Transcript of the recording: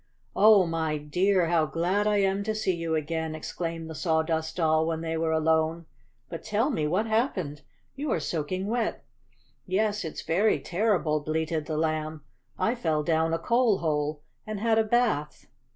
"Oh, my dear, how glad I am to see you again!" exclaimed the Sawdust Doll when they were alone. "But, tell me! what happened? You are soaking wet!" "Yes, it's very terrible!" bleated the Lamb. "I fell down a coal hole and had a bath!"